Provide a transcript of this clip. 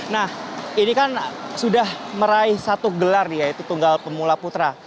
nah ini kan sudah meraih satu gelar yaitu tunggal pemula putra